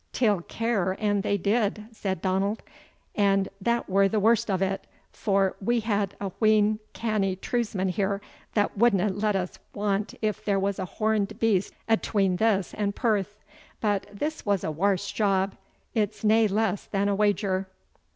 "Teil care an they did," said Donald, "an that were the warst o't, for we have a wheen canny trewsmen here that wadna let us want if there was a horned beast atween this and Perth. But this is a warse job it's nae less than a wager."